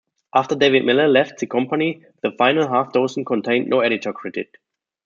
After David Miller left the company, the final half-dozen contained no editor credit.